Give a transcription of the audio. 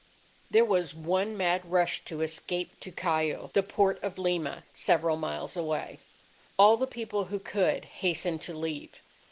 There was one mad rush to escape to Callao, the port of Lima, several miles away. All the people who could, hastened to leave.